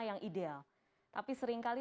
yang ideal tapi seringkali